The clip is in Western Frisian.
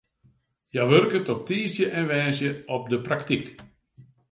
Hja wurket op tiisdei en woansdei op de praktyk.